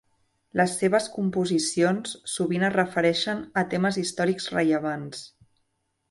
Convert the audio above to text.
Les seves composicions sovint es refereixen a temes històrics rellevants.